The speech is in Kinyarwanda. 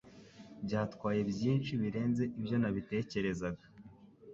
Byatwaye byinshi birenze ibyo nabitekerezaga.